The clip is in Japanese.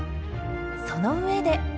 その上で。